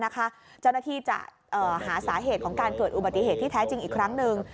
เจ้าหน้าที่จะหาสาเหตุของการเกิดอุบัติเหตุที่แท้จริงอีกครั้งหนึ่ง